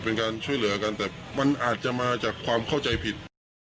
เป็นการช่วยเหลือกันแต่มันอาจจะมาจากความเข้าใจผิด